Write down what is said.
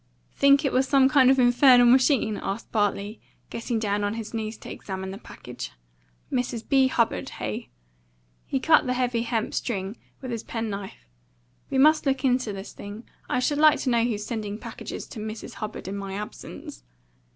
"Think it was some kind of infernal machine?" asked Bartley, getting down on his knees to examine the package. "MRS. B. Hubbard, heigh?" He cut the heavy hemp string with his penknife. "We must look into this thing. I should like to know who's sending packages to Mrs. Hubbard in my absence."